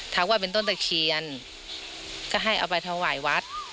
ว่าเป็นต้นตะเคียนก็ให้เอาไปถวายวัด